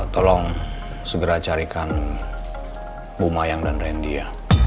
tolong segera carikan bu mayang dan randy ya